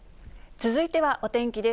続いてはお天気です。